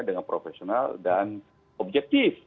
dengan profesional dan objektif